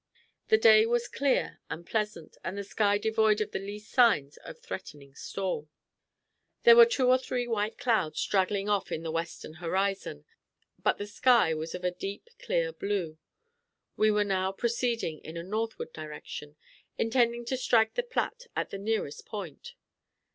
The day was clear and pleasant, and the sky devoid of the least signs of threatening storm. There were two or three white clouds straggling off in the western horizon, but the sky was of a deep clear blue. We were now proceeding in a northward direction, intending to strike the Platte at the nearest point.